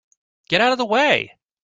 Get out of the way!